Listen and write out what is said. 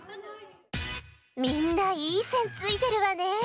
みんないいせんついてるわね。